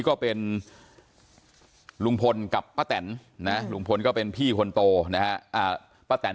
ก็เป็นลุงพลกับป้าแตนนะลุงพลก็เป็นพี่คนโตนะฮะป้าแตน